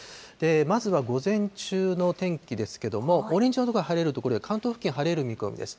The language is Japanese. まずは午前中の天気ですけれども、オレンジ色の所は晴れる所で、関東付近、晴れる見込みです。